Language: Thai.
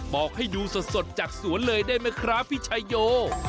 บอกให้ดูสดจากสวนเลยได้ไหมครับพี่ชายโย